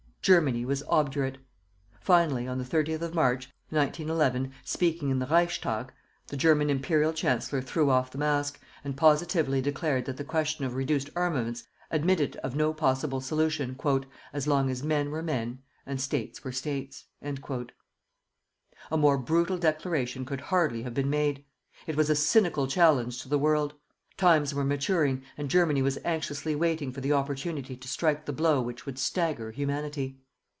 Germany was obdurate. Finally, on the 30th of March, 1911, speaking in the Reichstag, the German Imperial Chancellor threw off the mask, and positively declared that the question of reduced armaments admitted of no possible solution "as long as men were men and States were States." A more brutal declaration could hardly have been made. It was a cynical challenge to the World. Times were maturing and Germany was anxiously waiting for the opportunity to strike the blow which would stagger Humanity.